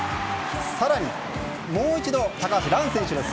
更にもう一度、高橋藍選手です。